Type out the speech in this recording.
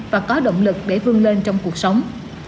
và có động lực để vươn lên trong cuộc sống